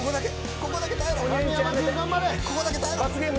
ここだけ耐えろ。